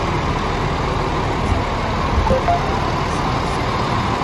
د کاپیسا فضا د افتخار احساس لري.